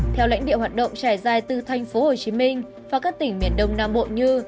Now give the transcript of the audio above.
theo lãnh địa hoạt động trải dài từ tp hcm và các tỉnh miền đông nam bộ như